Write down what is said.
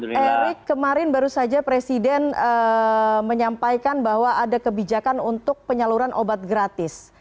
pak erick kemarin baru saja presiden menyampaikan bahwa ada kebijakan untuk penyaluran obat gratis